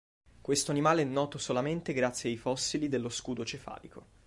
Questo animale è noto solamente grazie ai fossili dello scudo cefalico.